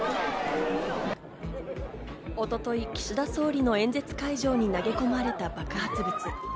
一昨日、岸田総理の演説会場に投げ込まれた爆発物。